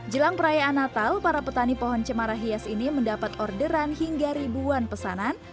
jelang perayaan natal para petani pohon cemara hias ini mendapat orderan hingga ribuan pesanan